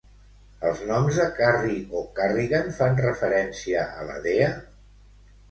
Els noms de Carrie o Carrigan fan referència a la dea?